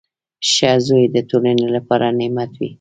• ښه زوی د ټولنې لپاره نعمت وي.